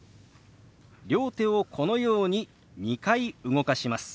両手をこのように２回動かします。